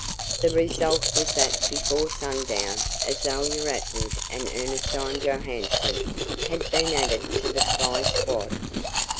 The result was that before sundown Azalia Atwood and Ernestine Johanson had been added to the spy squad.